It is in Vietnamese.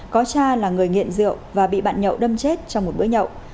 có cha là người nghiện rượu và bị bạn nhậu đâm chết trong một bữa nhậu